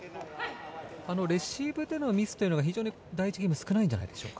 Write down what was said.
レシーブでのミスというのが非常に第１ゲーム少ないんじゃないでしょうか。